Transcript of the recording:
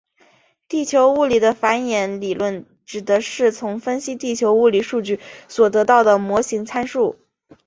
地球物理的反演理论指的是从分析地球物理数据所得到的模型参数。